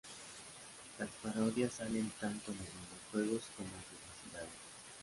Las parodias salen tanto en los minijuegos como en "Publicidades".